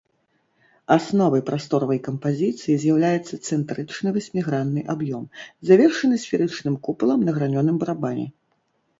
Асновай прасторавай кампазіцыі з'яўляецца цэнтрычны васьмігранны аб'ём, завершаны сферычным купалам на гранёным барабане.